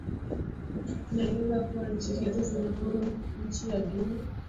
inaeleza kuwa nchi hizo zimeamuru nchi ya guinea